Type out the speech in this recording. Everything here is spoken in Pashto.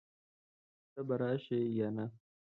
ته به راشې يا نه؟